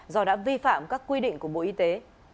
do đã vi phạm các quy định của bộ y tế